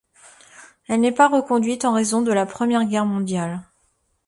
Elle n'est pas reconduite en raison de la Première Guerre mondiale.